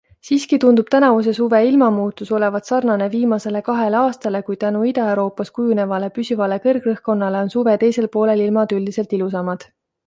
Siiski tundub tänavuse suve ilmamuutus olevat sarnane viimasele kahele aastale, kui tänu Ida-Euroopas kujunevale püsivale kõrgrõhkkonnale on suve teisel poolel ilmad üldiselt ilusamad.